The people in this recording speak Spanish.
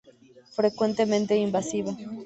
Frecuentemente invasiva.